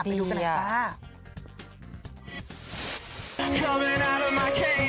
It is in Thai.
ดีค่ะเป็นที่ไหนคะ